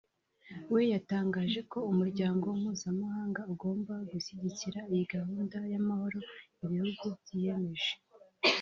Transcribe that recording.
we yatangaje ko umuryango mpuzamahanga ugomba gushyigikira iyi gahunda y’amahoro ibi bihugu byiyemeje